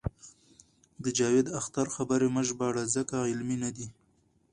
د جاوید اختر خبرې مه ژباړئ ځکه علمي نه دي.